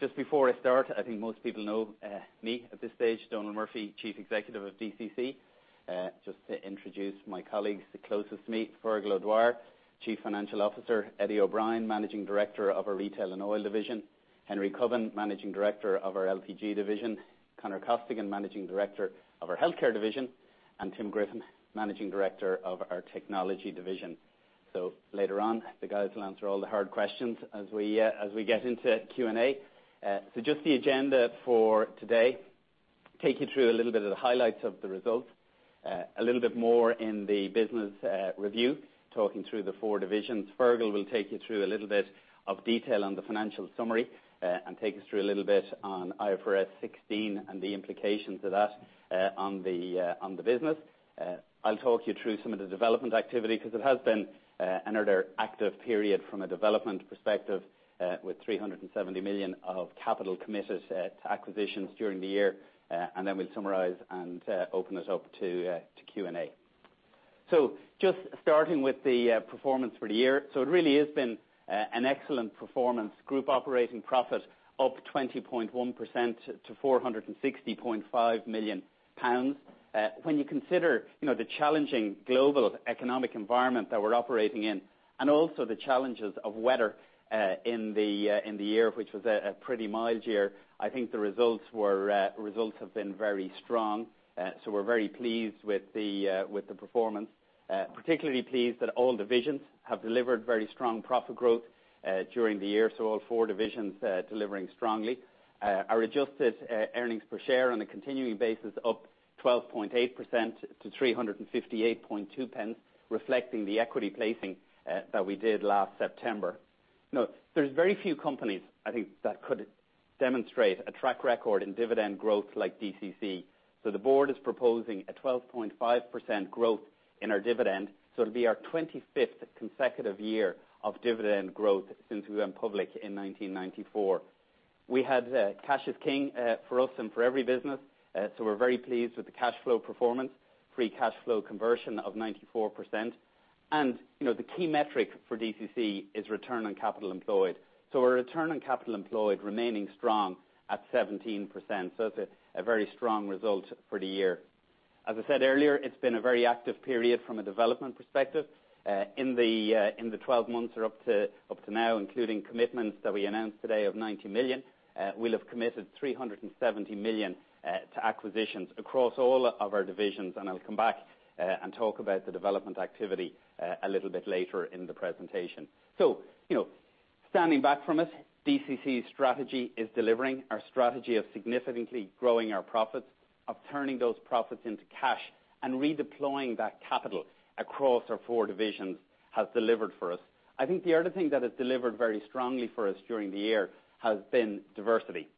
Just before I start, I think most people know me at this stage, Donal Murphy, Chief Executive of DCC. Just to introduce my colleagues the closest to me, Fergal O'Dwyer, Chief Financial Officer, Eddie O'Brien, Managing Director of our Retail and Oil division, Henry Cubbon, Managing Director of our LPG division, Conor Costigan, Managing Director of our Healthcare division, and Tim Griffin, Managing Director of our Technology division. Later on, the guys will answer all the hard questions as we get into Q&A. Just the agenda for today, take you through a little bit of the highlights of the results, a little bit more in the business review, talking through the four divisions. Fergal will take you through a little bit of detail on the financial summary and take us through a little bit on IFRS 16 and the implications of that on the business. I will talk you through some of the development activity because it has been another active period from a development perspective, with 370 million of capital committed to acquisitions during the year. Then we will summarize and open it up to Q&A. Just starting with the performance for the year. It really has been an excellent performance. Group operating profit up 20.1% to 460.5 million pounds. When you consider the challenging global economic environment that we are operating in, and also the challenges of weather in the year, which was a pretty mild year, I think the results have been very strong. We are very pleased with the performance. Particularly pleased that all divisions have delivered very strong profit growth during the year. All four divisions delivering strongly. Our adjusted earnings per share on a continuing basis up 12.8% to 3.582, reflecting the equity placing that we did last September. There are very few companies, I think, that could demonstrate a track record in dividend growth like DCC. The board is proposing a 12.5% growth in our dividend. It will be our 25th consecutive year of dividend growth since we went public in 1994. Cash is king for us and for every business. We are very pleased with the cash flow performance, free cash flow conversion of 94%. The key metric for DCC is return on capital employed. Our return on capital employed remaining strong at 17%. It is a very strong result for the year. As I said earlier, it has been a very active period from a development perspective. In the 12 months or up to now, including commitments that we announced today of 90 million, we will have committed 370 million to acquisitions across all of our divisions. I will come back and talk about the development activity a little bit later in the presentation. Standing back from it, DCC's strategy is delivering our strategy of significantly growing our profits, of turning those profits into cash, and redeploying that capital across our four divisions has delivered for us. I think the other thing that has delivered very strongly for us during the year has been diversity.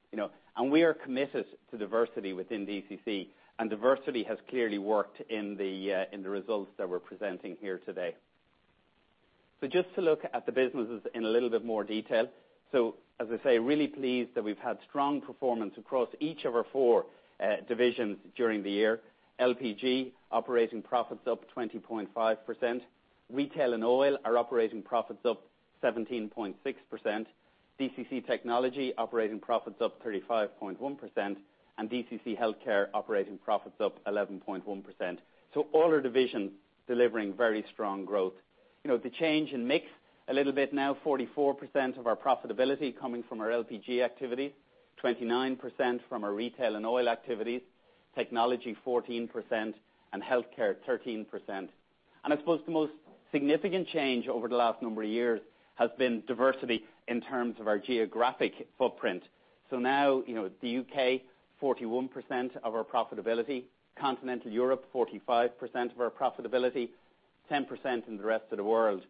We are committed to diversity within DCC, and diversity has clearly worked in the results that we are presenting here today. Just to look at the businesses in a little bit more detail. As I say, really pleased that we've had strong performance across each of our four divisions during the year. LPG operating profits up 20.5%. Retail and Oil, our operating profits up 17.6%. DCC Technology operating profits up 35.1%, DCC Healthcare operating profits up 11.1%. All our divisions delivering very strong growth. The change in mix a little bit now, 44% of our profitability coming from our LPG activity, 29% from our Retail and Oil activities, Technology 14%, and Healthcare 13%. I suppose the most significant change over the last number of years has been diversity in terms of our geographic footprint. Now, the U.K., 41% of our profitability, Continental Europe, 45% of our profitability, 10% in the rest of the world.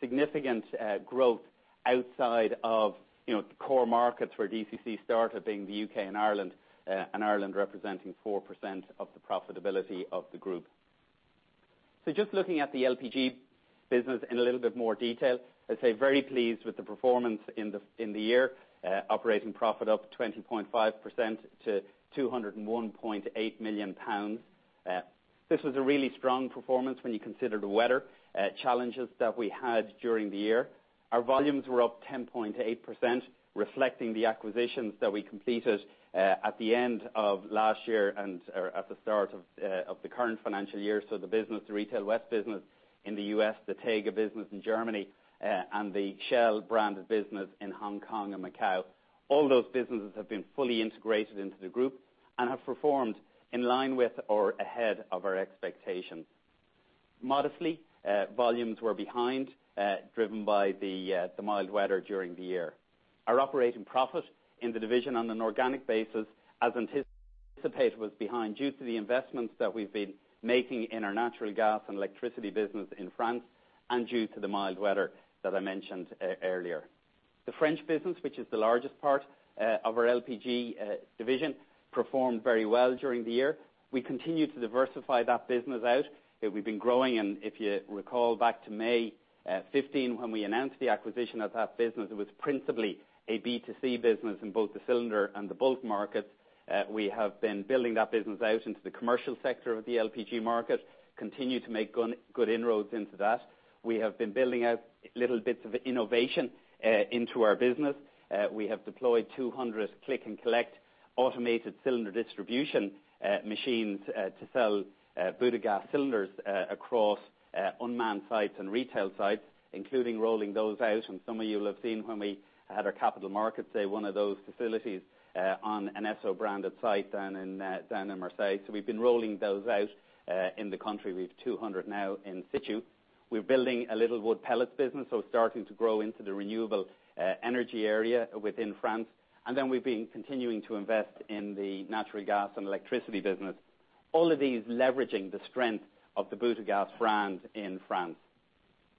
Significant growth outside of the core markets where DCC started being the U.K. and Ireland representing 4% of the profitability of the group. Just looking at the LPG business in a little bit more detail. I'd say very pleased with the performance in the year. Operating profit up 20.5% to GBP 201.8 million. This was a really strong performance when you consider the weather challenges that we had during the year. Our volumes were up 10.8%, reflecting the acquisitions that we completed at the end of last year and at the start of the current financial year. The business, the Retail West business in the U.S., the TEGA business in Germany, and the Shell branded business in Hong Kong and Macau. All those businesses have been fully integrated into the group and have performed in line with or ahead of our expectations. Modestly, volumes were behind, driven by the mild weather during the year. Our operating profit in the division on an organic basis, as anticipated, was behind due to the investments that we've been making in our natural gas and electricity business in France and due to the mild weather that I mentioned earlier. The French business, which is the largest part of our LPG division, performed very well during the year. We continue to diversify that business out. We've been growing, and if you recall back to May 15, when we announced the acquisition of that business, it was principally a B2C business in both the cylinder and the bulk markets. We have been building that business out into the commercial sector of the LPG market, continue to make good inroads into that. We have been building out little bits of innovation into our business. We have deployed 200 click and collect automated cylinder distribution machines to sell Butagaz cylinders across unmanned sites and retail sites, including rolling those out. Some of you will have seen when we had our Capital Markets Day, one of those facilities on an Esso branded site down in Marseille. We've been rolling those out in the country. We've 200 now in situ. We're building a little wood pellets business, starting to grow into the renewable energy area within France. Then we've been continuing to invest in the natural gas and electricity business. All of these leveraging the strength of the Butagaz brand in France.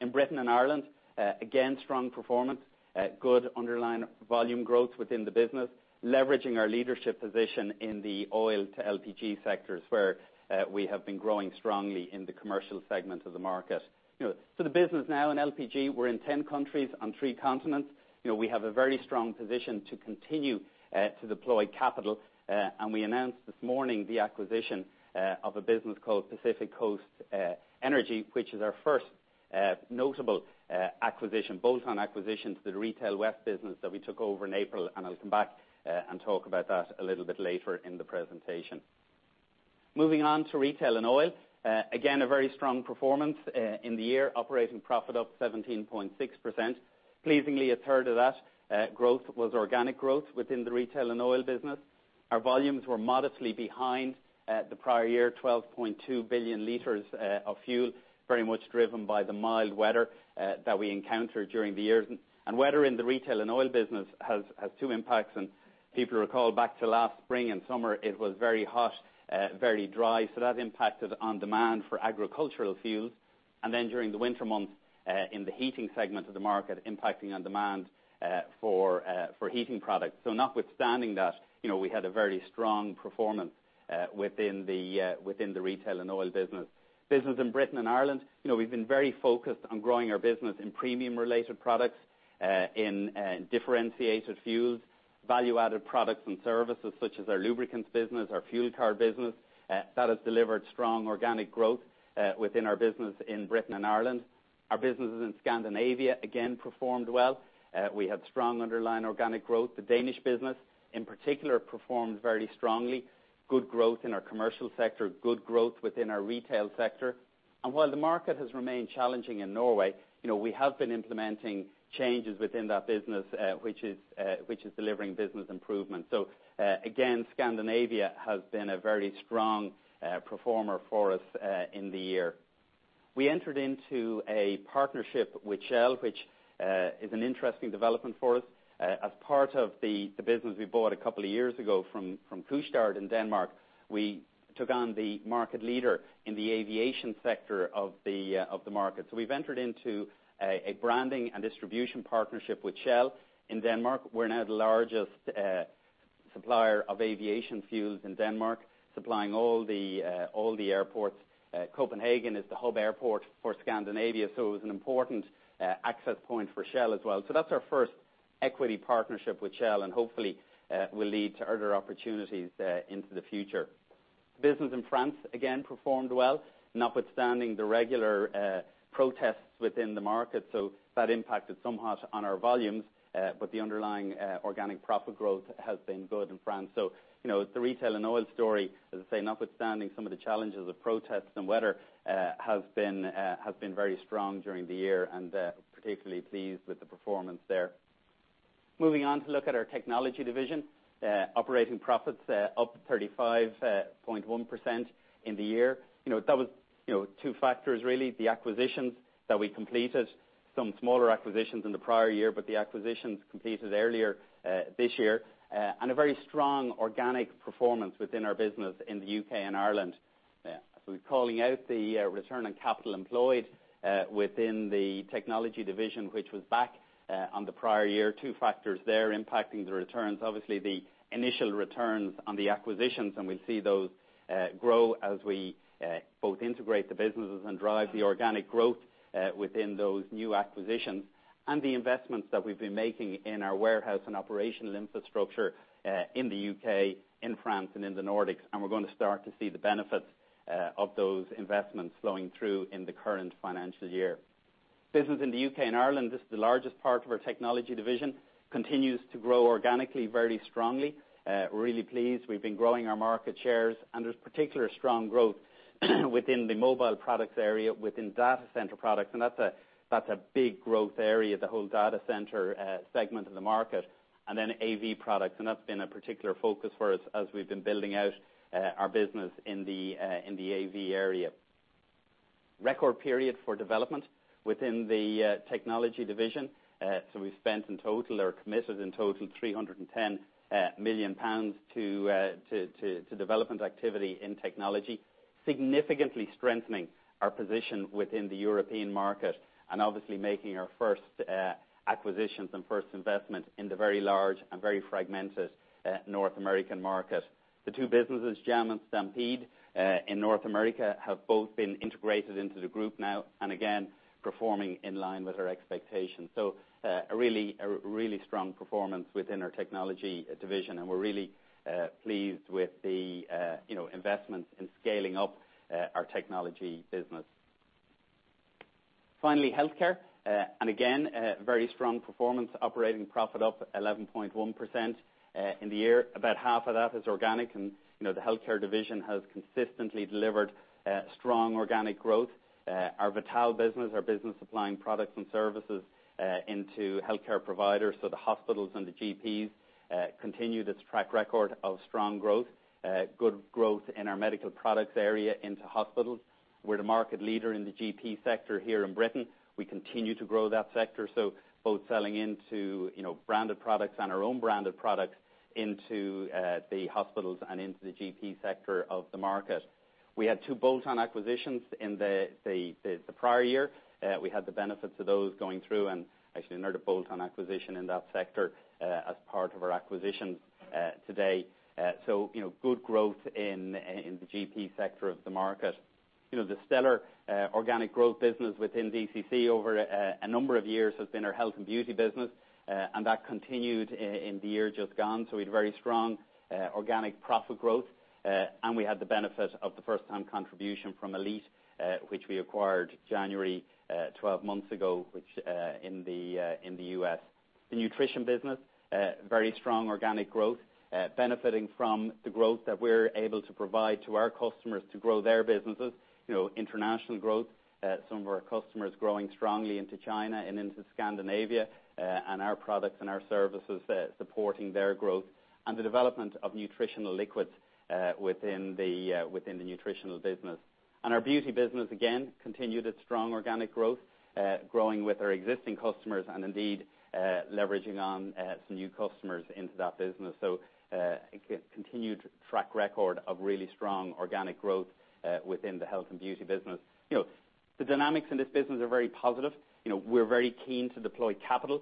In Britain and Ireland, again, strong performance, good underlying volume growth within the business, leveraging our leadership position in the oil to LPG sectors, where we have been growing strongly in the commercial segment of the market. The business now in LPG, we're in 10 countries on three continents. We have a very strong position to continue to deploy capital. We announced this morning the acquisition of a business called Pacific Coast Energy, which is our first notable acquisition, bolt-on acquisition to the Retail West business that we took over in April. I'll come back and talk about that a little bit later in the presentation. Moving on to retail and oil. Again, a very strong performance in the year, operating profit up 17.6%. Pleasingly, a third of that growth was organic growth within the retail and oil business. Our volumes were modestly behind the prior year, 12.2 billion liters of fuel, very much driven by the mild weather that we encountered during the year. Weather in the retail and oil business has two impacts. People recall back to last spring and summer, it was very hot, very dry. That impacted on demand for agricultural fuels. During the winter months, in the heating segment of the market, impacting on demand for heating products. Notwithstanding that, we had a very strong performance within the retail and oil business. Business in Britain and Ireland. We've been very focused on growing our business in premium related products, in differentiated fuels, value-added products and services such as our lubricants business, our fuel card business. That has delivered strong organic growth within our business in Britain and Ireland. Our businesses in Scandinavia, again, performed well. We had strong underlying organic growth. The Danish business, in particular, performed very strongly. Good growth in our commercial sector, good growth within our retail sector. While the market has remained challenging in Norway, we have been implementing changes within that business, which is delivering business improvement. Again, Scandinavia has been a very strong performer for us in the year. We entered into a partnership with Shell, which is an interesting development for us. As part of the business we bought a couple of years ago from [Kulstad] in Denmark, we took on the market leader in the aviation sector of the market. We've entered into a branding and distribution partnership with Shell in Denmark. We're now the largest supplier of aviation fuels in Denmark, supplying all the airports. Copenhagen is the hub airport for Scandinavia, so it was an important access point for Shell as well. That's our first equity partnership with Shell, and hopefully will lead to other opportunities into the future. Business in France, again, performed well, notwithstanding the regular protests within the market. That impacted somewhat on our volumes, but the underlying organic profit growth has been good in France. The retail and oil story, as I say, notwithstanding some of the challenges of protests and weather, has been very strong during the year, and particularly pleased with the performance there. Moving on to look at our technology division. Operating profits up 35.1% in the year. That was two factors, really. The acquisitions that we completed, some smaller acquisitions in the prior year, but the acquisitions completed earlier this year, and a very strong organic performance within our business in the U.K. and Ireland. We're calling out the return on capital employed within the technology division, which was back on the prior year. Two factors there impacting the returns. The initial returns on the acquisitions, and we'll see those grow as we both integrate the businesses and drive the organic growth within those new acquisitions. The investments that we've been making in our warehouse and operational infrastructure in the U.K., in France, and in the Nordics. We're going to start to see the benefits of those investments flowing through in the current financial year. Business in the U.K. and Ireland, this is the largest part of our Technology division, continues to grow organically very strongly. Really pleased. We've been growing our market shares, and there's particular strong growth within the mobile products area, within data center products, and that's a big growth area, the whole data center segment of the market, and then AV products, and that's been a particular focus for us as we've been building out our business in the AV area. Record period for development within the Technology division. We've spent in total, or committed in total, 310 million pounds to development activity in Technology, significantly strengthening our position within the European market, and obviously making our first acquisitions and first investment in the very large and very fragmented North American market. The two businesses, Jam and Stampede in North America, have both been integrated into the group now, and again, performing in line with our expectations. A really strong performance within our Technology division, and we're really pleased with the investments in scaling up our Technology business. Finally, Healthcare. Again, a very strong performance, operating profit up 11.1% in the year. About half of that is organic, and the Healthcare division has consistently delivered strong organic growth. Our Vital business, our business supplying products and services into healthcare providers, so the hospitals and the GPs, continue this track record of strong growth. Good growth in our medical products area into hospitals. We're the market leader in the GP sector here in Britain. We continue to grow that sector, so both selling into branded products and our own branded products into the hospitals and into the GP sector of the market. We had two bolt-on acquisitions in the prior year. We had the benefit of those going through, and actually another bolt-on acquisition in that sector as part of our acquisition today. Good growth in the GP sector of the market. The stellar organic growth business within DCC over a number of years has been our health and beauty business, and that continued in the year just gone. We had very strong organic profit growth, and we had the benefit of the first-time contribution from Elite, which we acquired January 12 months ago, which in the U.S. The nutrition business, very strong organic growth, benefiting from the growth that we're able to provide to our customers to grow their businesses. International growth, some of our customers growing strongly into China and into Scandinavia, and our products and our services supporting their growth, and the development of nutritional liquids within the nutritional business. Our beauty business, again, continued its strong organic growth, growing with our existing customers and indeed, leveraging on some new customers into that business. A continued track record of really strong organic growth within the health and beauty business. The dynamics in this business are very positive. We're very keen to deploy capital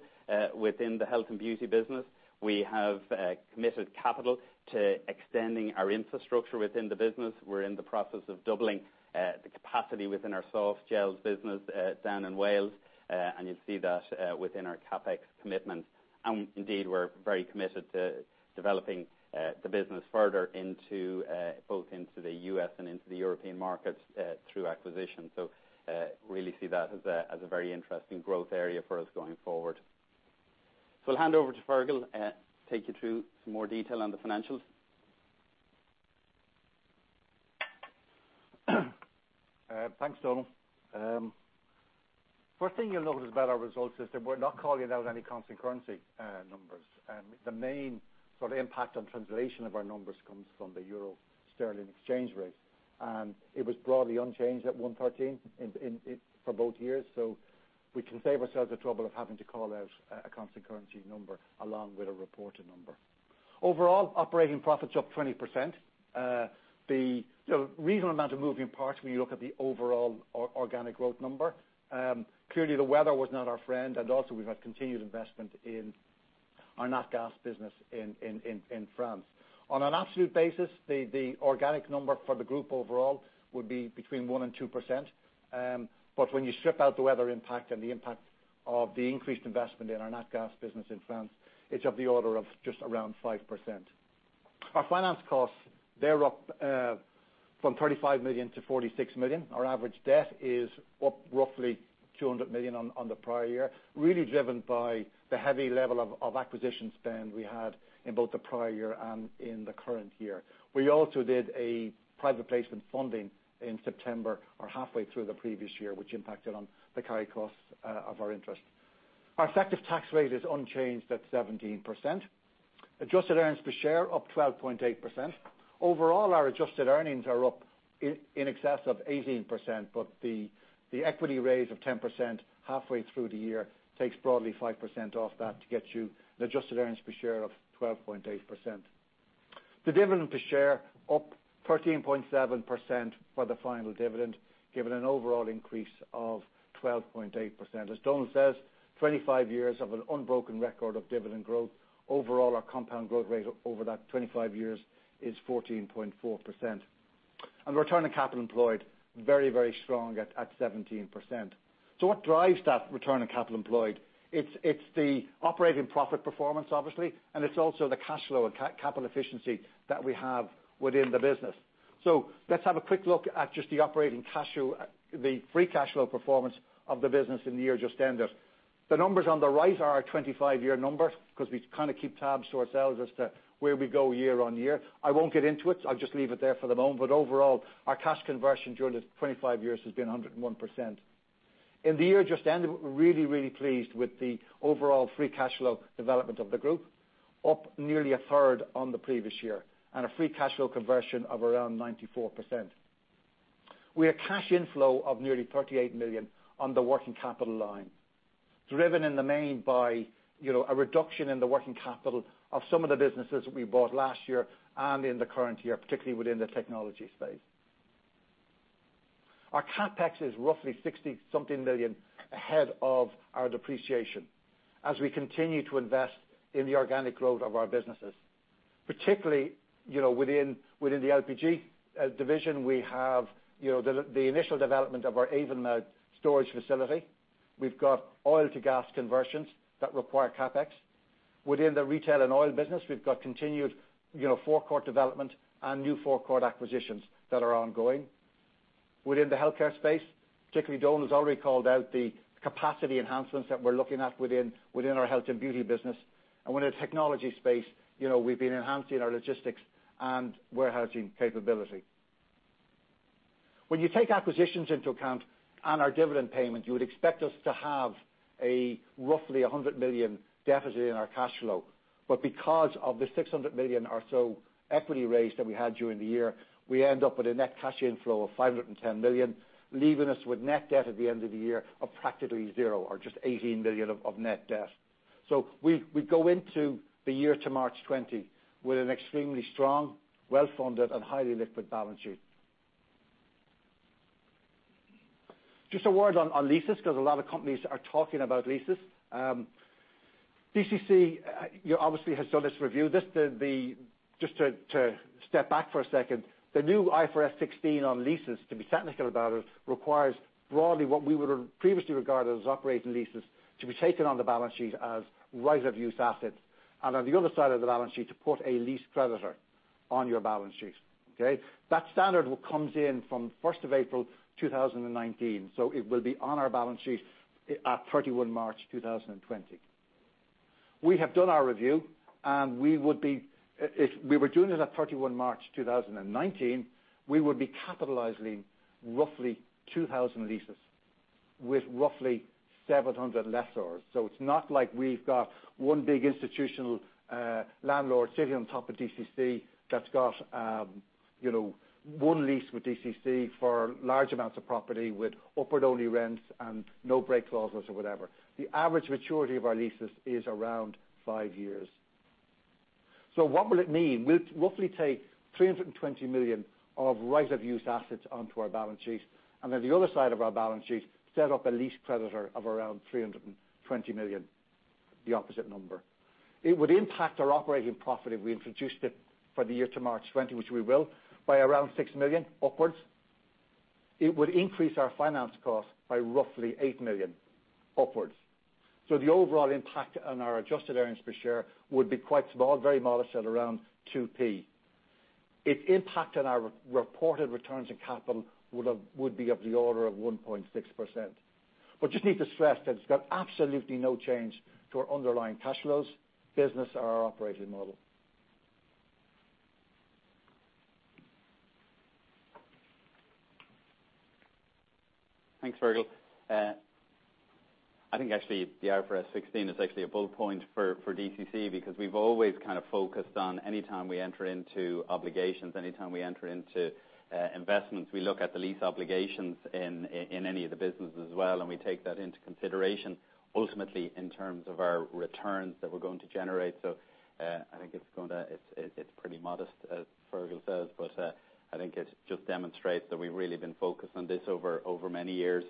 within the health and beauty business. We have committed capital to extending our infrastructure within the business. We're in the process of doubling the capacity within our softgels business down in Wales. You'll see that within our CapEx commitment. Indeed, we're very committed to developing the business further both into the U.S. and into the European markets through acquisition. Really see that as a very interesting growth area for us going forward. I'll hand over to Fergal to take you through some more detail on the financials. Thanks, Donal. First thing you'll notice about our results is that we're not calling out any constant currency numbers. The main sort of impact on translation of our numbers comes from the euro-sterling exchange rate. It was broadly unchanged at 113 for both years, so we can save ourselves the trouble of having to call out a constant currency number along with a reported number. Overall, operating profits up 20%. A reasonable amount of moving parts when you look at the overall organic growth number. Clearly, the weather was not our friend, also we've had continued investment in our Nat Gas business in France. On an absolute basis, the organic number for the group overall would be between 1% and 2%. When you strip out the weather impact and the impact of the increased investment in our Nat Gas business in France, it's of the order of just around 5%. Our finance costs, they're up from 35 million to 46 million. Our average debt is up roughly 200 million on the prior year, really driven by the heavy level of acquisition spend we had in both the prior year and in the current year. We also did a private placement funding in September, or halfway through the previous year, which impacted on the carry costs of our interest. Our effective tax rate is unchanged at 17%. Adjusted earnings per share up 12.8%. Overall, our adjusted earnings are up in excess of 18%, but the equity raise of 10% halfway through the year takes broadly 5% off that to get you an adjusted earnings per share of 12.8%. The dividend per share up 13.7% for the final dividend, giving an overall increase of 12.8%. As Donal says, 25 years of an unbroken record of dividend growth. Overall, our compound growth rate over that 25 years is 14.4%. Return on capital employed, very strong at 17%. What drives that return on capital employed? It's the operating profit performance, obviously, and it's also the cash flow and capital efficiency that we have within the business. Let's have a quick look at just the free cash flow performance of the business in the year just ended. The numbers on the right are our 25-year numbers, because we kind of keep tabs to ourselves as to where we go year on year. I won't get into it. I'll just leave it there for the moment. Overall, our cash conversion during the 25 years has been 101%. In the year just ended, we're really pleased with the overall free cash flow development of the group. Up nearly a third on the previous year, and a free cash flow conversion of around 94%. We had cash inflow of nearly 38 million on the working capital line, driven in the main by a reduction in the working capital of some of the businesses that we bought last year and in the current year, particularly within the technology space. Our CapEx is roughly 60 something million ahead of our depreciation as we continue to invest in the organic growth of our businesses, particularly, within the LPG division, we have the initial development of our Avonmouth storage facility. We've got oil to gas conversions that require CapEx. Within the retail and oil business, we've got continued forecourt development and new forecourt acquisitions that are ongoing. Within the healthcare space, particularly Donal has already called out the capacity enhancements that we're looking at within our health and beauty business. Within the technology space, we've been enhancing our logistics and warehousing capability. When you take acquisitions into account and our dividend payment, you would expect us to have a roughly 100 million deficit in our cash flow. Because of the 600 million or so equity raise that we had during the year, we end up with a net cash inflow of 510 million, leaving us with net debt at the end of the year of practically zero or just 18 million of net debt. We go into the year to March 2020 with an extremely strong, well-funded, and highly liquid balance sheet. Just a word on leases, because a lot of companies are talking about leases. DCC obviously has done this review. Just to step back for a second, the new IFRS 16 on leases, to be technical about it, requires broadly what we would have previously regarded as operating leases to be taken on the balance sheet as right of use assets. On the other side of the balance sheet, to put a lease creditor on your balance sheet. Okay? That standard comes in from 1st of April 2019. It will be on our balance sheet at 31 March 2020. We have done our review, and if we were doing it at 31 March 2019, we would be capitalizing roughly 2,000 leases with roughly 700 lessors. It's not like we've got one big institutional landlord sitting on top of DCC that's got one lease with DCC for large amounts of property with upward only rents and no break clauses or whatever. The average maturity of our leases is around five years. What will it mean? We'll roughly take 320 million of right of use assets onto our balance sheet, and on the other side of our balance sheet, set up a lease creditor of around 320 million, the opposite number. It would impact our operating profit if we introduced it for the year to March 2020, which we will, by around 6 million upwards. It would increase our finance cost by roughly 8 million upwards. The overall impact on our adjusted earnings per share would be quite small, very modest at around 0.02. Its impact on our reported returns on capital would be of the order of 1.6%. Just need to stress that it's got absolutely no change to our underlying cash flows, business, or our operating model. Thanks, Fergal. I think actually the IFRS 16 is actually a bullet point for DCC because we've always kind of focused on any time we enter into obligations, any time we enter into investments, we look at the lease obligations in any of the businesses as well, and we take that into consideration ultimately in terms of our returns that we're going to generate. I think it's pretty modest, as Fergal says, it just demonstrates that we've really been focused on this over many years.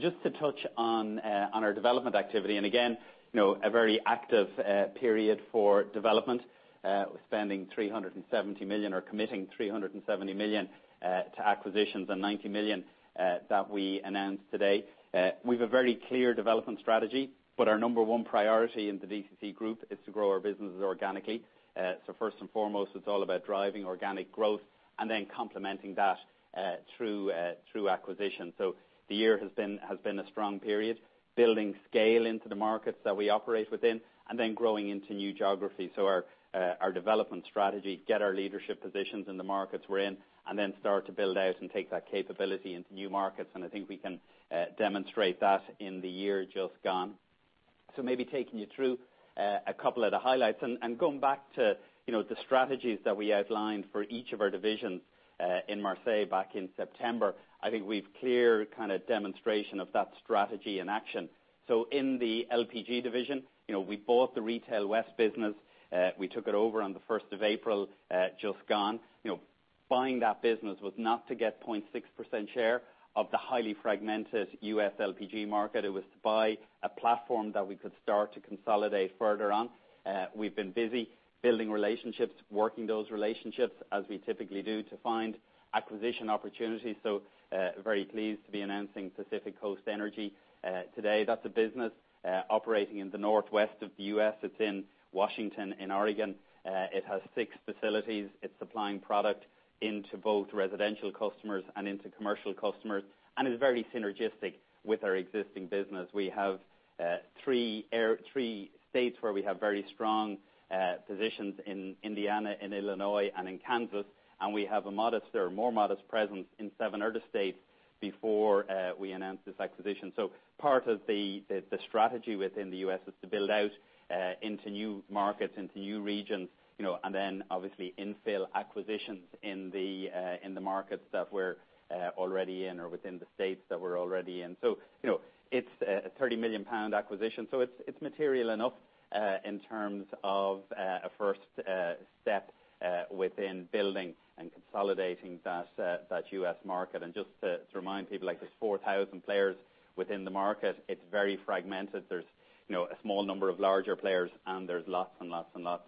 Just to touch on our development activity, and again, a very active period for development. We're spending 370 million or committing 370 million to acquisitions and 90 million that we announced today. We've a very clear development strategy, our number one priority in the DCC group is to grow our businesses organically. First and foremost, it's all about driving organic growth complementing that through acquisition. The year has been a strong period, building scale into the markets that we operate within, growing into new geographies. Our development strategy, get our leadership positions in the markets we're in, start to build out and take that capability into new markets, and I think we can demonstrate that in the year just gone. Maybe taking you through a couple of the highlights and going back to the strategies that we outlined for each of our divisions in Marseille back in September. I think we've clear kind of demonstration of that strategy in action. In the LPG division, we bought the Retail West business. We took it over on the 1st of April, just gone. Buying that business was not to get 0.6% share of the highly fragmented U.S. LPG market. It was to buy a platform that we could start to consolidate further on. We've been busy building relationships, working those relationships as we typically do to find acquisition opportunities. Very pleased to be announcing Pacific Coast Energy today. That's a business operating in the northwest of the U.S. It's in Washington and Oregon. It has six facilities. It's supplying product into both residential customers and into commercial customers, and is very synergistic with our existing business. We have three states where we have very strong positions in Indiana and Illinois and in Kansas, and we have a more modest presence in seven other states before we announced this acquisition. Part of the strategy within the U.S. is to build out into new markets, into new regions, and then obviously infill acquisitions in the markets that we're already in or within the states that we're already in. It's a 30 million pound acquisition. It's material enough in terms of a first step within building and consolidating that U.S. market. Just to remind people, there's 4,000 players within the market. It's very fragmented. There's a small number of larger players, and there's lots and lots and lots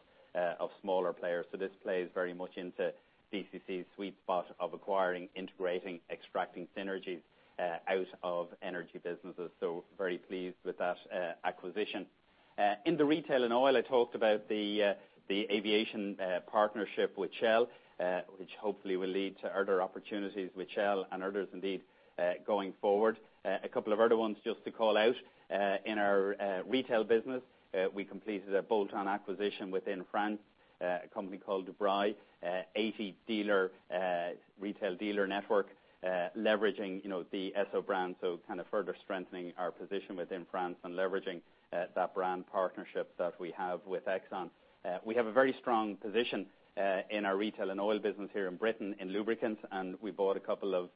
of smaller players. This plays very much into DCC's sweet spot of acquiring, integrating, extracting synergies out of energy businesses. Very pleased with that acquisition. In the retail and oil, I talked about the aviation partnership with Shell, which hopefully will lead to other opportunities with Shell and others indeed, going forward. A couple of other ones just to call out. In our retail business, we completed a bolt-on acquisition within France, a company called Dubreuil, 80 retail dealer network, leveraging the Esso brand, kind of further strengthening our position within France and leveraging that brand partnership that we have with Exxon. We have a very strong position in our retail and oil business here in Britain in lubricants, and we bought a couple of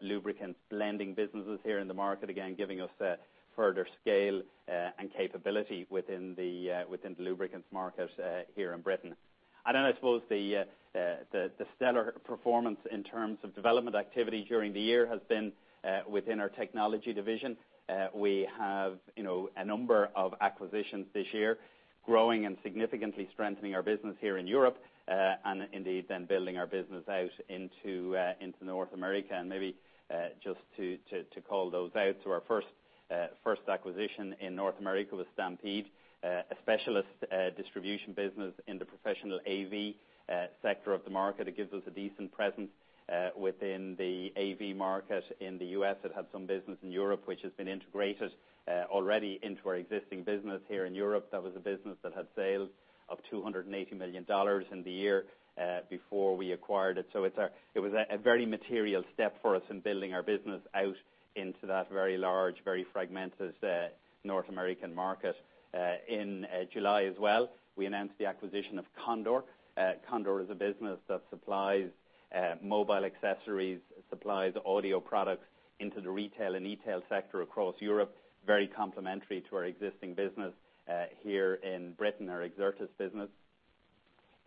lubricants blending businesses here in the market, again, giving us further scale and capability within the lubricants market here in Britain. I suppose the stellar performance in terms of development activity during the year has been within our Technology division. We have a number of acquisitions this year, growing and significantly strengthening our business here in Europe, and indeed then building our business out into North America. Maybe just to call those out. Our first acquisition in North America was Stampede, a specialist distribution business in the professional AV sector of the market. It gives us a decent presence within the AV market in the U.S. It had some business in Europe, which has been integrated already into our existing business here in Europe. That was a business that had sales of $280 million in the year before we acquired it. It was a very material step for us in building our business out into that very large, very fragmented North American market. In July as well, we announced the acquisition of Kondor. Kondor is a business that supplies mobile accessories, supplies audio products into the retail and e-tail sector across Europe. Very complementary to our existing business here in Britain, our Exertis business.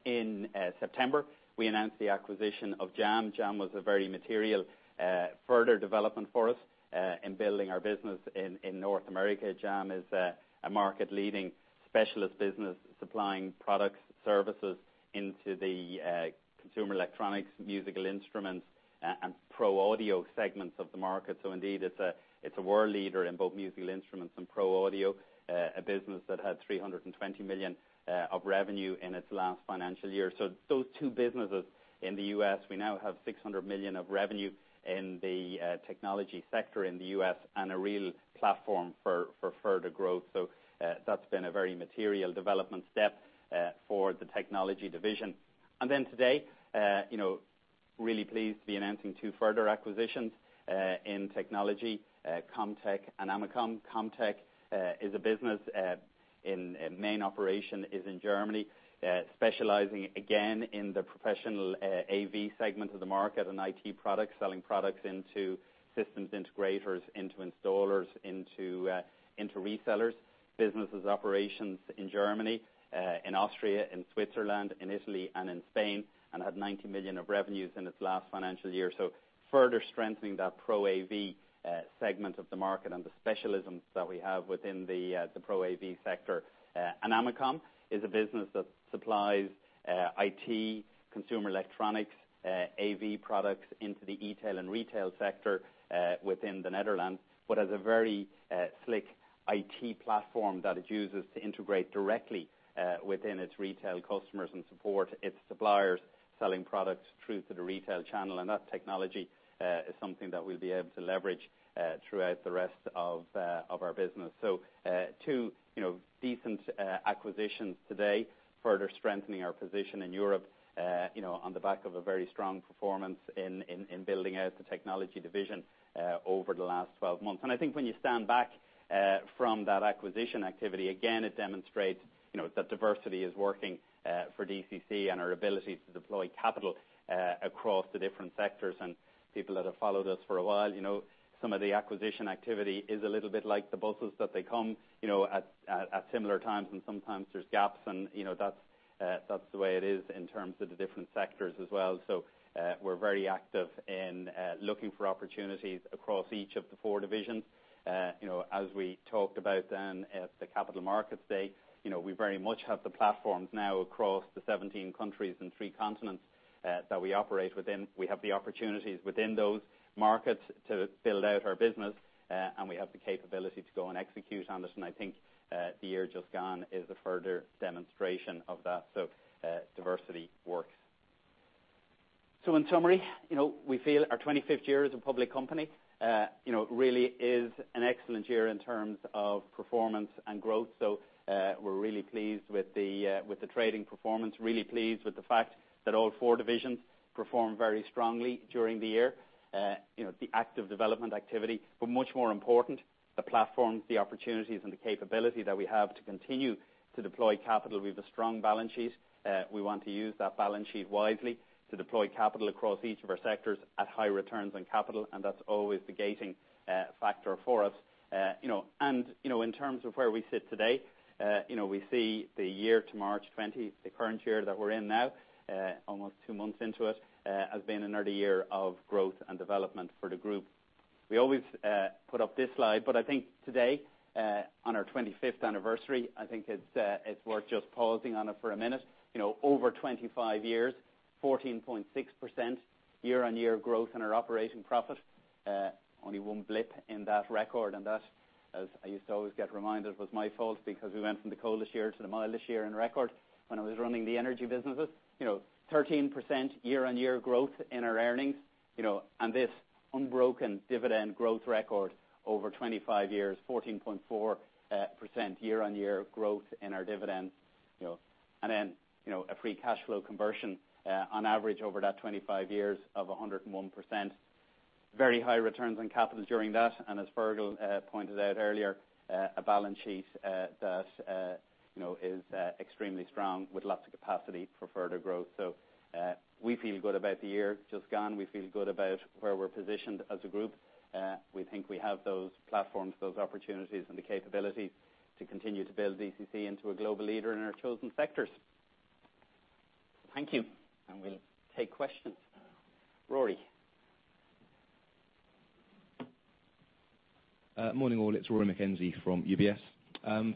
In September, we announced the acquisition of Jam. Jam was a very material further development for us in building our business in North America. Jam is a market-leading specialist business supplying products, services into the consumer electronics, musical instruments, and pro audio segments of the market. Indeed, it's a world leader in both musical instruments and pro audio, a business that had 320 million of revenue in its last financial year. Those two businesses in the U.S., we now have 600 million of revenue in the technology sector in the U.S. and a real platform for further growth. That's been a very material development step for the Technology division. Today, really pleased to be announcing two further acquisitions in technology, COMM-TEC and Amacom. COMM-TEC is a business, main operation is in Germany, specializing again in the Pro AV segment of the market and IT products, selling products into systems integrators, into installers, into resellers. Business has operations in Germany, in Austria, in Switzerland, in Italy, and in Spain, and had 90 million of revenues in its last financial year. Further strengthening that Pro AV segment of the market and the specialisms that we have within the Pro AV sector. Amacom is a business that supplies IT, consumer electronics, AV products into the e-tail and retail sector within the Netherlands, but has a very slick IT platform that it uses to integrate directly within its retail customers and support its suppliers selling products through to the retail channel. That technology is something that we'll be able to leverage throughout the rest of our business. Two decent acquisitions today, further strengthening our position in Europe, on the back of a very strong performance in building out the DCC Technology division over the last 12 months. I think when you stand back from that acquisition activity, again, it demonstrates that diversity is working for DCC and our ability to deploy capital across the different sectors. People that have followed us for a while, some of the acquisition activity is a little bit like the buses, that they come at similar times, and sometimes there's gaps, and that's the way it is in terms of the different sectors as well. We're very active in looking for opportunities across each of the four divisions. As we talked about then at the Capital Markets Day, we very much have the platforms now across the 17 countries and three continents that we operate within. We have the opportunities within those markets to build out our business, and we have the capability to go and execute on this. I think the year just gone is a further demonstration of that. Diversity works. In summary, we feel our 25th year as a public company really is an excellent year in terms of performance and growth. We're really pleased with the trading performance, really pleased with the fact that all four divisions performed very strongly during the year. The active development activity, but much more important, the platforms, the opportunities, and the capability that we have to continue to deploy capital. We have a strong balance sheet. We want to use that balance sheet wisely to deploy capital across each of our sectors at high returns on capital, and that's always the gating factor for us. In terms of where we sit today, we see the year to March 2020, the current year that we're in now almost two months into it, as being another year of growth and development for the group. We always put up this slide, but I think today, on our 25th anniversary, I think it's worth just pausing on it for a minute. Over 25 years, 14.6% year-on-year growth in our operating profit. Only one blip in that record, and that, as I used to always get reminded, was my fault because we went from the coldest year to the mildest year in record when I was running the energy businesses. 13% year-on-year growth in our earnings. This unbroken dividend growth record over 25 years, 14.4% year-on-year growth in our dividend. Then, a free cash flow conversion, on average over that 25 years of 101%. Very high returns on capital during that. As Fergal pointed out earlier, a balance sheet that is extremely strong with lots of capacity for further growth. We feel good about the year just gone. We feel good about where we're positioned as a group. We think we have those platforms, those opportunities, and the capabilities to continue to build DCC into a global leader in our chosen sectors. Thank you. We'll take questions now. Rory. Morning all, it's Rory MacKenzie from UBS.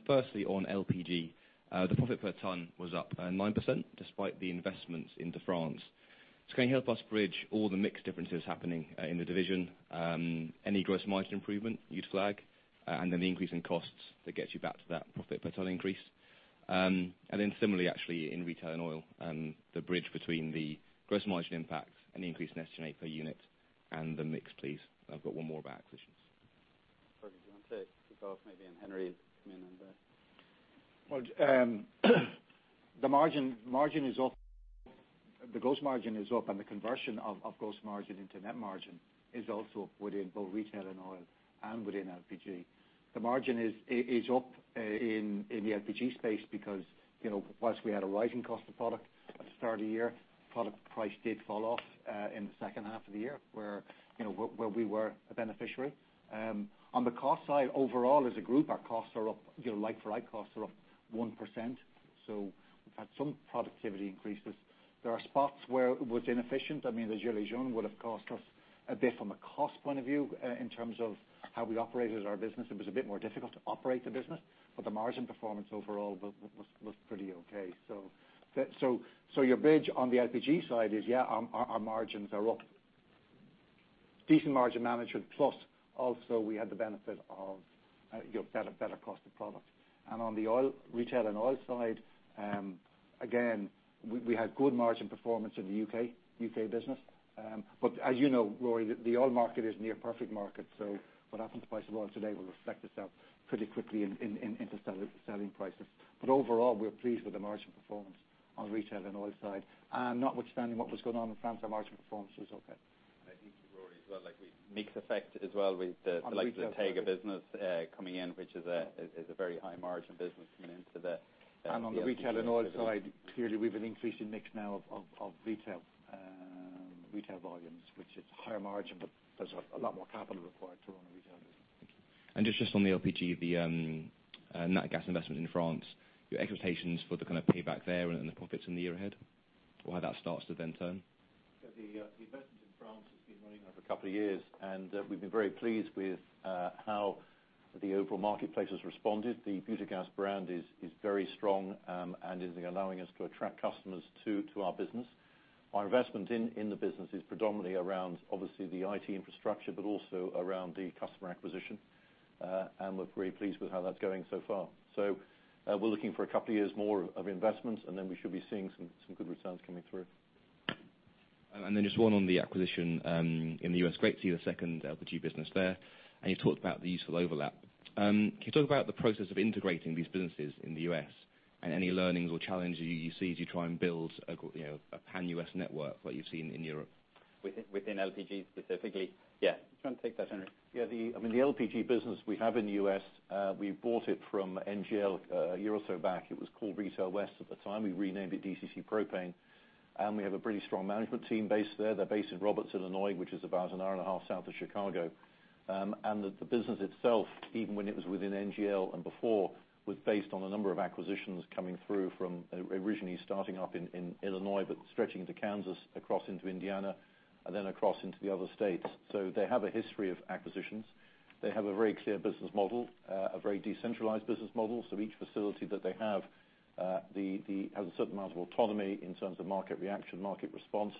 Firstly, on LPG, the profit per ton was up 9%, despite the investments into France. Can you help us bridge all the mix differences happening in the division? Any gross margin improvement you'd flag, and then the increase in costs that gets you back to that profit per ton increase? Similarly, actually, in retail and oil, the bridge between the gross margin impacts and the increased net generate per unit and the mix, please. I've got one more about acquisitions. Fergal, do you want to take it off maybe? Henry come in on the The gross margin is up, and the conversion of gross margin into net margin is also up within both retail and oil and within LPG. The margin is up in the LPG space because whilst we had a rising cost of product at the start of the year, product price did fall off in the second half of the year where we were a beneficiary. On the cost side, overall as a group, our costs are up, like-for-like costs are up 1%. We've had some productivity increases. There are spots where it was inefficient. The gilets jaunes would've cost us a bit from a cost point of view, in terms of how we operated our business. It was a bit more difficult to operate the business. The margin performance overall was pretty okay. Your bridge on the LPG side is, yeah, our margins are up. Decent margin management, plus also we had the benefit of better cost of product. On the retail and oil side, again, we had good margin performance in the U.K. business. As you know, Rory, the oil market is near perfect market, so what happens to the price of oil today will reflect itself pretty quickly into selling prices. Overall, we're pleased with the margin performance on retail and oil side. Notwithstanding what was going on in France, our margin performance was okay. I think, Rory, as well, mix effect as well. On retail side the likes of the TEGA business coming in, which is a very high margin business coming into the LPG activity. On the retail and oil side, clearly we have an increasing mix now of retail volumes. Which is higher margin, but there's a lot more capital required to run a retail business. Thank you. Just on the LPG, the Nat Gas investment in France, your expectations for the kind of payback there and the profits in the year ahead? Or how that starts to then turn? The investment in France has been running now for a couple of years, and we have been very pleased with how the overall marketplace has responded. The Butagaz brand is very strong and is allowing us to attract customers to our business. Our investment in the business is predominantly around, obviously, the IT infrastructure, but also around the customer acquisition. We are very pleased with how that's going so far. We are looking for a couple of years more of investments, and then we should be seeing some good returns coming through. Just one on the acquisition in the U.S. Great to see the second LPG business there. You talked about the useful overlap. Can you talk about the process of integrating these businesses in the U.S. and any learnings or challenges you see as you try and build a pan-U.S. network, like you have seen in Europe? Within LPG specifically? Yeah. Do you want to take that, Henry? Yeah. The LPG business we have in the U.S., we bought it from NGL a year or so back. It was called Retail West at the time. We renamed it DCC Propane. We have a pretty strong management team based there. They're based in Robinson, Illinois, which is about an hour and a half south of Chicago. The business itself, even when it was within NGL and before, was based on a number of acquisitions coming through from originally starting up in Illinois, but stretching into Kansas, across into Indiana, and then across into the other states. They have a history of acquisitions. They have a very clear business model, a very decentralized business model. Each facility that they have has a certain amount of autonomy in terms of market reaction, market response.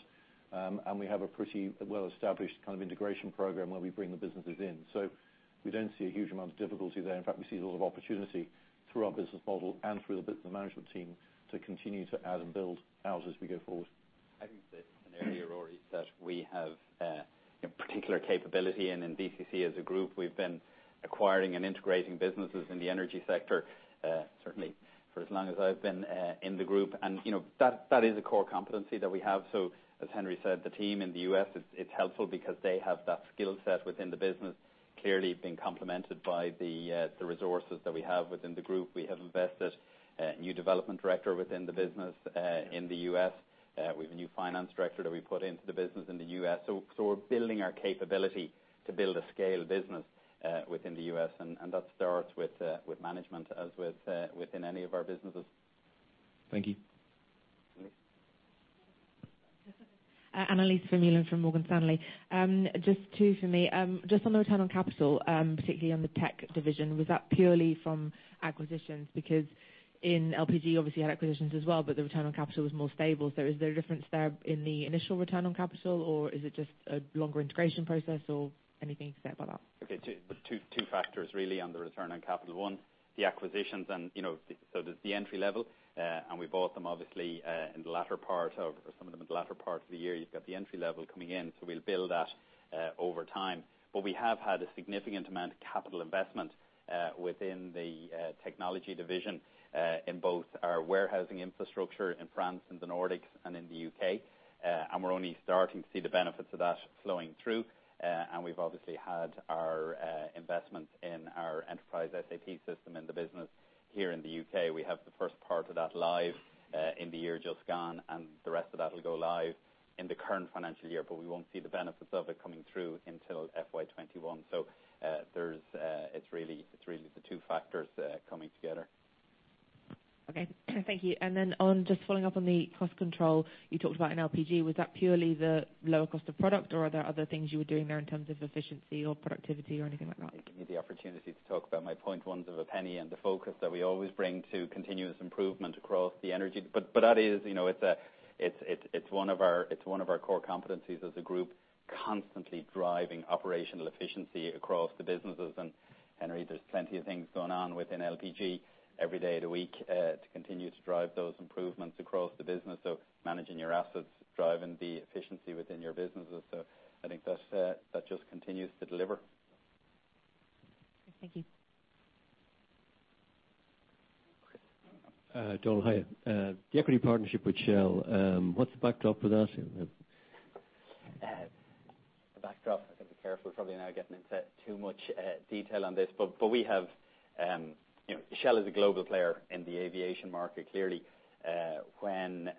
We have a pretty well-established integration program where we bring the businesses in. We don't see a huge amount of difficulty there. In fact, we see a lot of opportunity through our business model and through the management team to continue to add and build ours as we go forward. I think that an area, Rory, that we have a particular capability in DCC as a group, we've been acquiring and integrating businesses in the energy sector, certainly for as long as I've been in the group. That is a core competency that we have. As Henry said, the team in the U.S., it's helpful because they have that skill set within the business, clearly being complemented by the resources that we have within the group. We have invested a new development director within the business, in the U.S. We have a new finance director that we put into the business in the U.S. We're building our capability to build a scale business within the U.S., and that starts with management as within any of our businesses. Thank you. Henry. Analisa Mule from Morgan Stanley. Just two for me. Just on the return on capital, particularly on the Technology division, was that purely from acquisitions? In LPG, obviously, you had acquisitions as well, but the return on capital was more stable. Is there a difference there in the initial return on capital, or is it just a longer integration process, or anything to say about that? Two factors really on the return on capital. One, the acquisitions, there's the entry level, and we bought them obviously, in the latter part of, or some of them in the latter part of the year. You've got the entry level coming in, we'll build that over time. We have had a significant amount of capital investment, within the Technology division, in both our warehousing infrastructure in France and the Nordics and in the U.K. We're only starting to see the benefits of that flowing through. We've obviously had our investment in our enterprise SAP system in the business here in the U.K. We have the first part of that live, in the year just gone, and the rest of that will go live in the current financial year, but we won't see the benefits of it coming through until FY 2021. It's really the two factors coming together. Okay. Thank you. Then on just following up on the cost control you talked about in LPG, was that purely the lower cost of product, or are there other things you were doing there in terms of efficiency or productivity or anything like that? You give me the opportunity to talk about my point ones of a penny and the focus that we always bring to continuous improvement across the energy. That is one of our core competencies as a group, constantly driving operational efficiency across the businesses. Henry, there's plenty of things going on within LPG every day of the week, to continue to drive those improvements across the business. Managing your assets, driving the efficiency within your businesses. I think that just continues to deliver. Thank you. Chris. Donal, hi. The equity partnership with Shell, what's the backdrop for that? The backdrop, I have to be careful probably now getting into too much detail on this, but Shell is a global player in the aviation market, clearly. When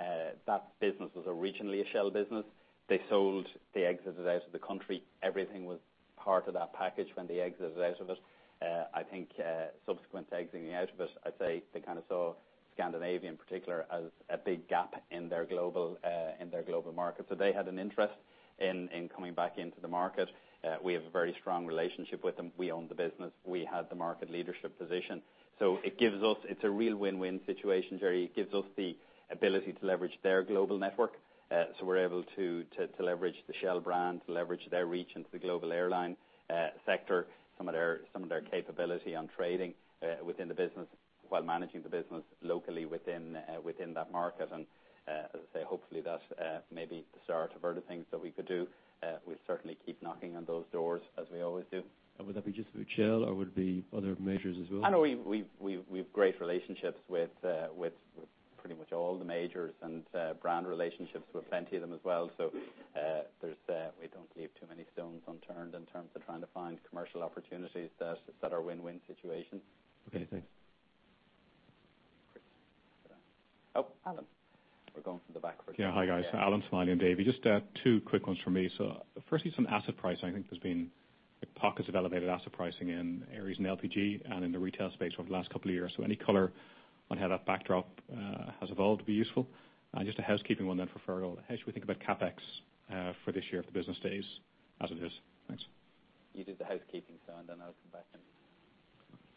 that business was originally a Shell business, they sold the exited out of the country. Everything was part of that package when they exited out of it. I think, subsequent to exiting out of it, I'd say they kind of saw Scandinavia in particular as a big gap in their global markets. They had an interest in coming back into the market. We have a very strong relationship with them. We own the business. We had the market leadership position. It's a real win-win situation, Jerry. It gives us the ability to leverage their global network. We're able to leverage the Shell brand, to leverage their reach into the global airline sector, some of their capability on trading within the business while managing the business locally within that market. As I say, hopefully that may be the start of other things that we could do. We'll certainly keep knocking on those doors as we always do. Would that be just with Shell, or would it be other majors as well? We've great relationships with pretty much all the majors and brand relationships with plenty of them as well. We don't leave too many stones unturned in terms of trying to find commercial opportunities that are win-win situations. Okay, thanks. Chris. Oh. Alan. We're going from the back first. Yeah. Hi, guys. Alan Smiley and Davy. Firstly, some asset pricing, I think there's been pockets of elevated asset pricing in areas in LPG and in the retail space over the last couple of years. Any color on how that backdrop has evolved would be useful. Just a housekeeping one then for Fergal. How should we think about CapEx for this year if the business stays as it is? Thanks. You do the housekeeping, Fergal, then I'll come back in.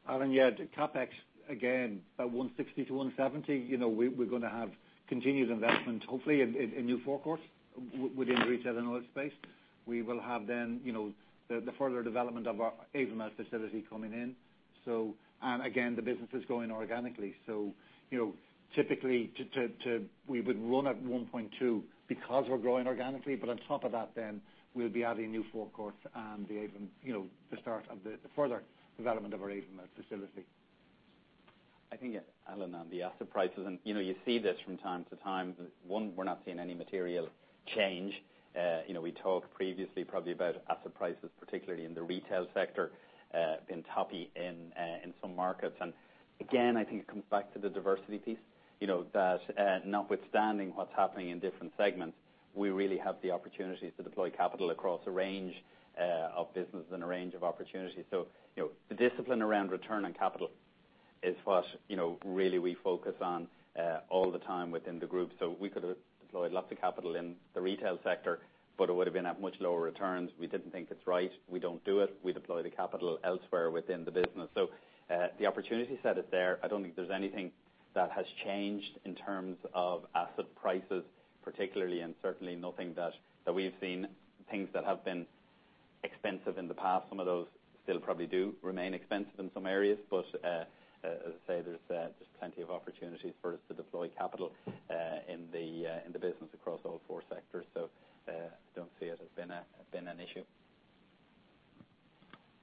Alan, yeah, the CapEx, again, about 160-170. We're going to have continued investment, hopefully, in new forecourts within the retail and oil space. We will have then the further development of our Avonmouth facility coming in. Again, the business is growing organically. Typically, we would run at 1.2 because we're growing organically. On top of that then, we'll be adding new forecourts and the start of the further development of our Avonmouth facility. I think, Alan, on the asset prices, and you see this from time to time, one, we're not seeing any material change. We talked previously probably about asset prices, particularly in the retail sector, being toppy in some markets. Again, I think it comes back to the diversity piece, that notwithstanding what's happening in different segments, we really have the opportunity to deploy capital across a range of businesses and a range of opportunities. The discipline around return on capital is what really we focus on all the time within the group. We could've deployed lots of capital in the retail sector, but it would have been at much lower returns. We didn't think it's right. We don't do it. We deploy the capital elsewhere within the business. The opportunity set is there. I don't think there's anything that has changed in terms of asset prices particularly, and certainly nothing that we've seen things that have been expensive in the past. Some of those still probably do remain expensive in some areas, but as I say, there's plenty of opportunities for us to deploy capital in the business across all four sectors. Don't see it has been an issue,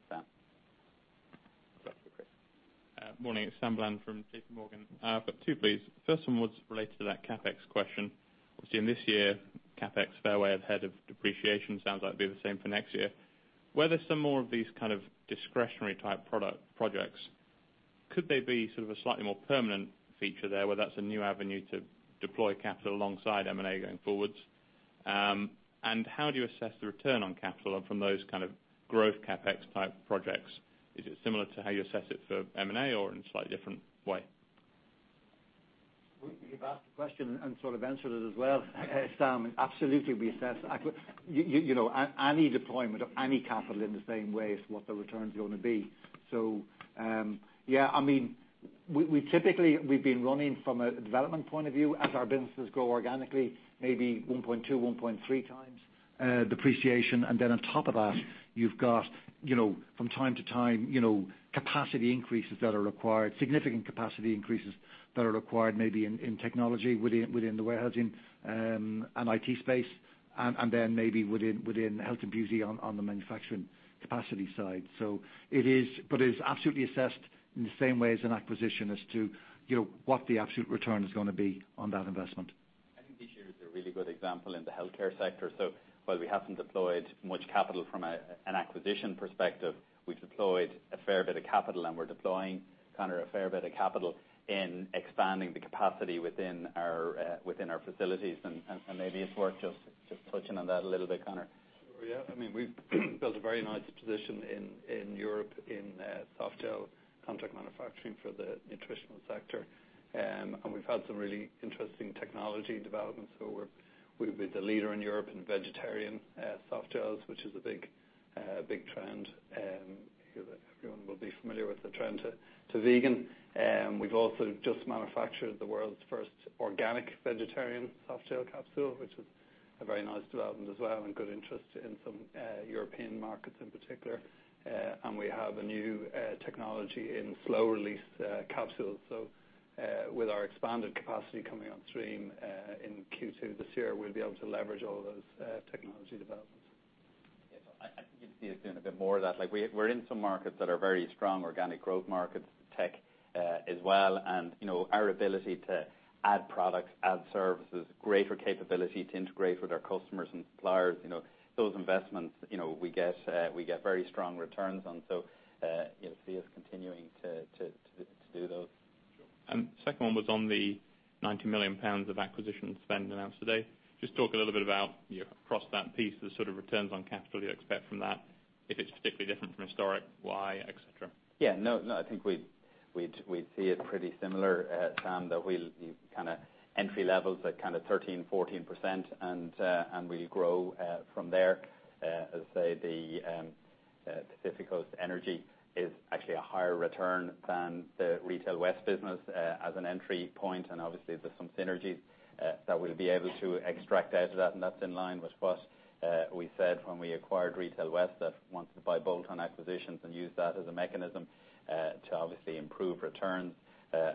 Sam. Back to Chris. Morning, it's Sam Bland from JPMorgan. I've got two, please. First one was related to that CapEx question. Obviously, in this year, CapEx far ahead of depreciation. Sounds like it'll be the same for next year. There's some more of these kind of discretionary type projects, could they be sort of a slightly more permanent feature there, where that's a new avenue to deploy capital alongside M&A going forwards? How do you assess the return on capital and from those kind of growth CapEx type projects? Is it similar to how you assess it for M&A or in a slightly different way? You've asked the question and sort of answered it as well, Sam. Absolutely, we assess any deployment of any capital in the same way as what the return's going to be. We've been running from a development point of view as our businesses grow organically, maybe 1.2, 1.3 times depreciation. Then on top of that, you've got from time to time, capacity increases that are required, significant capacity increases that are required maybe in technology within the warehousing and IT space, and then maybe within health and beauty on the manufacturing capacity side. It is absolutely assessed in the same way as an acquisition as to what the absolute return is going to be on that investment. I think this year is a really good example in the healthcare sector. While we haven't deployed much capital from an acquisition perspective, we've deployed a fair bit of capital, we're deploying kind of a fair bit of capital in expanding the capacity within our facilities. Maybe it's worth just touching on that a little bit, Conor. Sure. Yeah. We've built a very nice position in Europe in softgel contract manufacturing for the nutritional sector. We've had some really interesting technology developments. We've been the leader in Europe in vegetarian softgels, which is a big trend. Everyone will be familiar with the trend to vegan. We've also just manufactured the world's first organic vegetarian softgel capsule, which is a very nice development as well, and good interest in some European markets in particular. We have a new technology in slow-release capsules. With our expanded capacity coming on stream in Q2 this year, we'll be able to leverage all those technology developments. You'll see us doing a bit more of that. We're in some markets that are very strong organic growth markets, tech as well. Our ability to add products, add services, greater capability to integrate with our customers and suppliers. Those investments, we get very strong returns on. You'll see us continuing to do those. Sure. Second one was on the 90 million pounds of acquisition spend announced today. Just talk a little bit about across that piece, the sort of returns on capital you expect from that. If it's particularly different from historic, why, et cetera? I think we'd see it pretty similar, Sam, that we kind of entry levels at kind of 13%-14%, and we grow from there. As I say, Pacific Coast Energy is actually a higher return than the Retail West business as an entry point, and obviously there's some synergies that we'll be able to extract out of that, and that's in line with what we said when we acquired Retail West. We wanted to buy bolt-on acquisitions and use that as a mechanism to obviously improve returns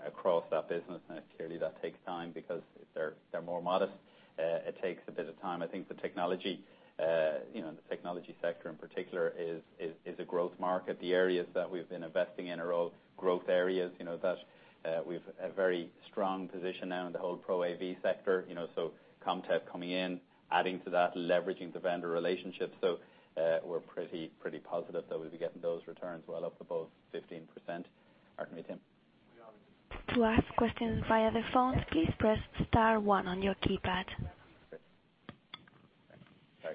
across that business. Clearly, that takes time because they're more modest. It takes a bit of time. I think the technology sector in particular is a growth market. The areas that we've been investing in are all growth areas. We've a very strong position now in the whole Pro AV sector, COMM-TEC coming in, adding to that, leveraging the vendor relationships. We're pretty positive that we'll be getting those returns well up above 15%. Pardon me, Tim. To ask questions via the phone, please press star one on your keypad.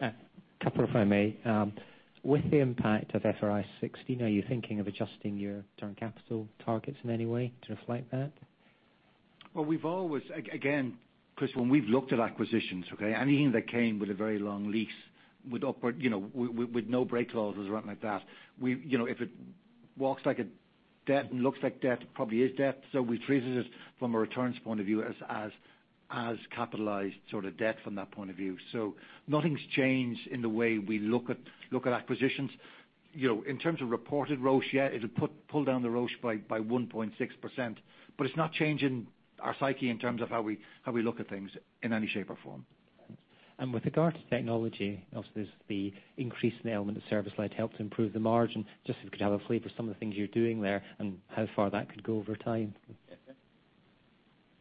A couple if I may. With the impact of IFRS 16, are you thinking of adjusting your return capital targets in any way to reflect that? Well, again, Chris, when we've looked at acquisitions, okay? Anything that came with a very long lease with no break clauses or anything like that. If it walks like a debt and looks like debt, it probably is debt. We treated it from a returns point of view as capitalized sort of debt from that point of view. Nothing's changed in the way we look at acquisitions. In terms of reported ROACE, yeah, it'll pull down the ROACE by 1.6%, but it's not changing our psyche in terms of how we look at things in any shape or form. With regard to Technology, obviously there's the increase in the element of service-led help to improve the margin. Just if we could have a flavor of some of the things you're doing there and how far that could go over time.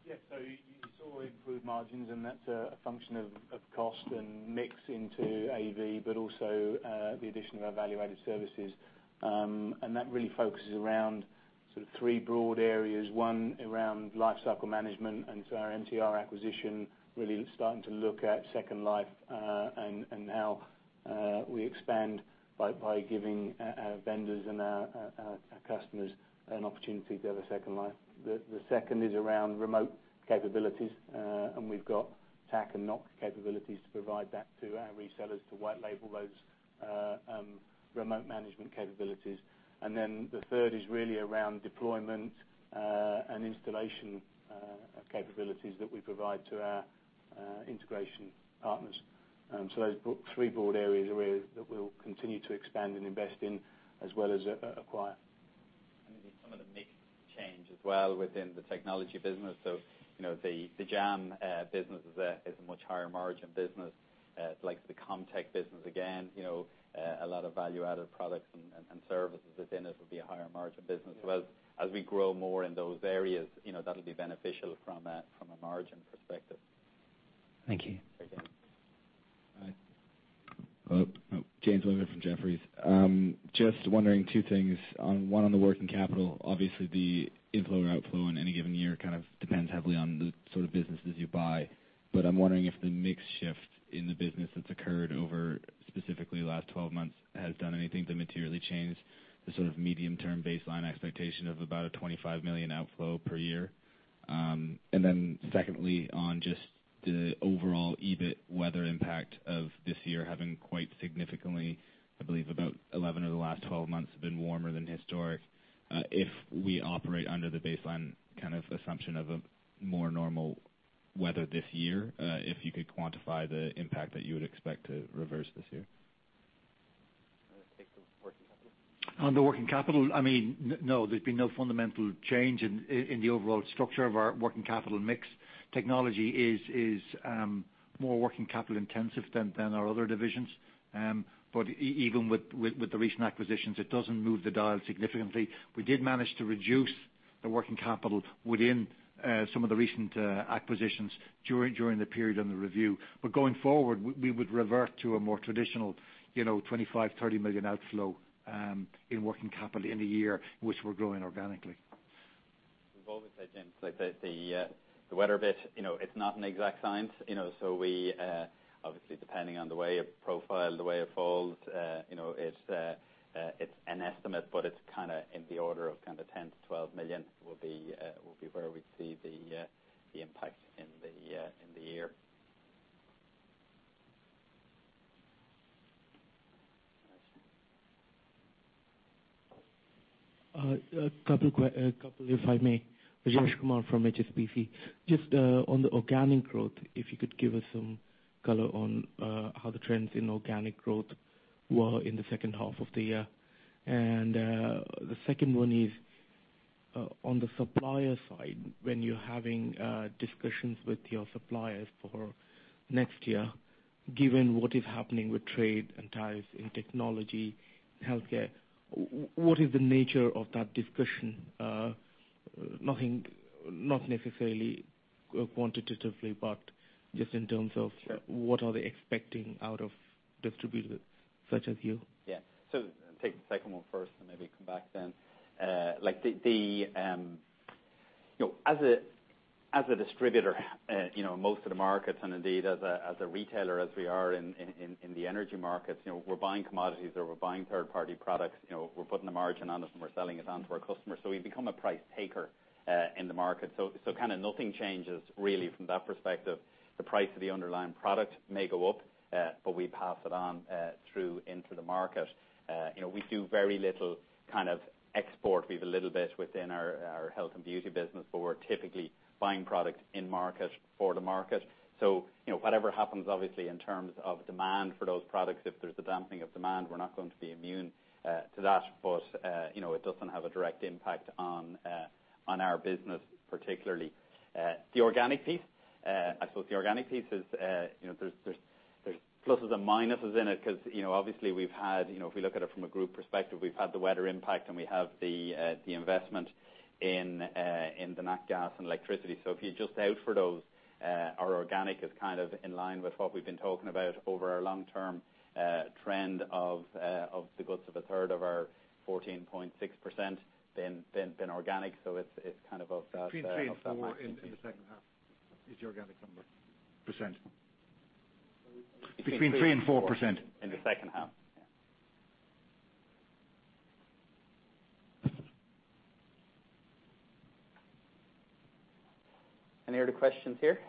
Yeah. You saw improved margins, and that's a function of cost and mix into AV, but also the addition of our value-added services. That really focuses around sort of three broad areas. One, around lifecycle management, and so our MTR acquisition really starting to look at second life, and how we expand by giving our vendors and our customers an opportunity to have a second life. The second is around remote capabilities, and we've got TAC and NOC capabilities to provide that to our resellers to white label those remote management capabilities. The third is really around deployment, and installation of capabilities that we provide to our integration partners. Those three broad areas are areas that we'll continue to expand and invest in as well as acquire. Some of the mix change as well within the Technology business. The Jam business is a much higher margin business. Like the COMM-TEC business, again, a lot of value-added products and services within it will be a higher margin business. As we grow more in those areas, that'll be beneficial from a margin perspective. Thank you. Okay. Hi. James Leonard from Jefferies. Just wondering two things. One, on the working capital, obviously the inflow or outflow in any given year kind of depends heavily on the sort of businesses you buy. I'm wondering if the mix shift in the business that's occurred over, specifically the last 12 months, has done anything to materially change the sort of medium-term baseline expectation of about a 25 million outflow per year. Secondly, on just the overall EBIT weather impact of this year having quite significantly, I believe, about 11 of the last 12 months have been warmer than historic. If we operate under the baseline kind of assumption of a more normal weather this year, if you could quantify the impact that you would expect to reverse this year. I'll let you take the working capital. On the working capital, no, there's been no fundamental change in the overall structure of our working capital mix. DCC Technology is more working capital intensive than our other divisions. Even with the recent acquisitions, it doesn't move the dial significantly. We did manage to reduce the working capital within some of the recent acquisitions during the period on the review. Going forward, we would revert to a more traditional 25 million-30 million outflow, in working capital in a year, which we're growing organically. We've always said, James, the weather bit, it's not an exact science. Obviously, depending on the way it profiled, the way it falls, it's an estimate, but it's in the order of 10 million-12 million, will be where we'd see the impact in the year. Thanks. A couple, if I may. Rajesh Kumar from HSBC. Just on the organic growth, if you could give us some color on how the trends in organic growth were in the second half of the year. The second one is on the supplier side, when you're having discussions with your suppliers for next year, given what is happening with trade and ties in technology, healthcare, what is the nature of that discussion? Not necessarily quantitatively, but just in terms of what are they expecting out of distributors such as you? Take the second one first, and maybe come back then. As a distributor, most of the markets, and indeed as a retailer, as we are in the energy markets, we're buying commodities or we're buying third-party products. We're putting a margin on it, and we're selling it on to our customers. We've become a price taker in the market. Nothing changes really from that perspective. The price of the underlying product may go up, but we pass it on through into the market. We do very little export. We have a little bit within our health and beauty business, but we're typically buying product in market for the market. Whatever happens obviously in terms of demand for those products, if there's a dampening of demand, we're not going to be immune to that. It doesn't have a direct impact on our business, particularly. The organic piece? I suppose the organic piece, there's pluses and minuses in it because obviously we've had, if we look at it from a group perspective, we've had the weather impact, and we have the investment in the nat gas and electricity. If you adjust for those, our organic is in line with what we've been talking about over our long-term trend of the guts of a third of our 14.6% been organic. It's that- Between three and four in the second half is the organic number. %. Between three and 4%. Between three and 4% in the second half, yeah. Any other questions here?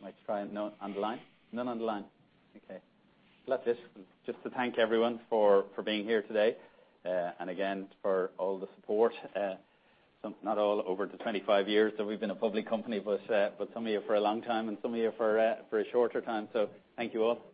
I might try on the line. None on the line. Okay. Let this just to thank everyone for being here today. Again, for all the support. Not all over the 25 years that we've been a public company, but some of you for a long time and some of you for a shorter time, so thank you all.